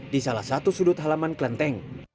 di salah satu sudut halaman kelenteng